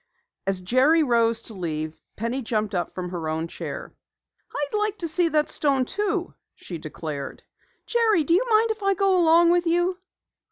As Jerry arose to leave, Penny jumped up from her own chair. "I'd like to see that stone too!" she declared. "Jerry, do you mind if I go along with you?"